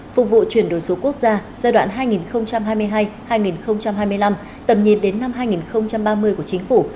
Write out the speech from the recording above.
phục vụ chuyển đổi số quốc gia giai đoạn hai nghìn hai mươi hai hai nghìn hai mươi năm tầm nhìn đến năm hai nghìn ba mươi của chính phủ